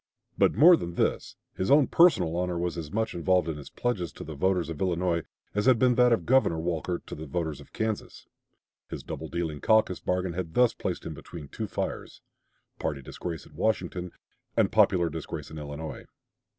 But more than this, his own personal honor was as much involved in his pledges to the voters of Illinois as had been that of Governor Walker to the voters of Kansas. His double dealing caucus bargain had thus placed him between two fires party disgrace at Washington and popular disgrace in Illinois.